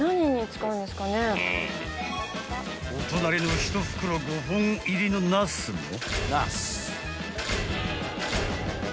［お隣の１袋５本入りのナスも］